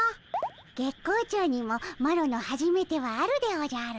月光町にもマロのはじめてはあるでおじゃる。